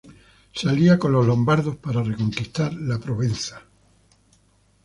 Se alía con los lombardos para reconquistar la Provenza.